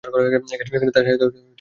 এখানেই তাঁর সাহিত্য জীবনের সূত্রপাত।